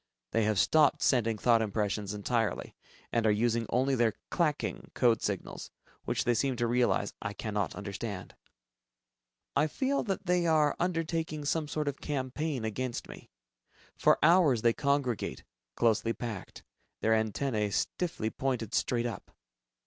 They have stopped sending thought impressions entirely, and are using only their "clacking" code signals, which they seem to realize I cannot understand. I feel that they are undertaking some sort of campaign against me. For hours they congregate, closely packed, their antennae stiffly pointed straight up.